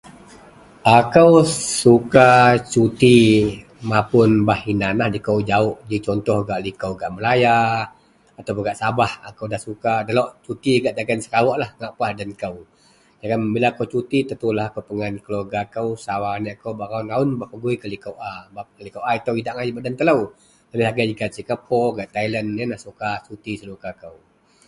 . akou suka cuti mapun liko bah inanlah liko jauh ji contoh ji liko gak Malaya ataupun gak sabah da suka, delok cuti gak dagen serawoklah ngak puas den kou, bila kou cuti tentulah akou pegan keluarga kou, sawa aneak kou bak raun-raun bak pegui gak liko a, sebab liko itou idak agai bak ji den telou lebih agei gak Singapore gak Thailand, ien suka cuti senuka kou